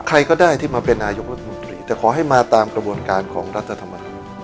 ใครก็ได้ที่มาเป็นนายกรัฐมนตรีแต่ขอให้มาตามกระบวนการของรัฐธรรมนูล